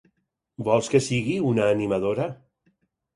Vols que sigui una animadora?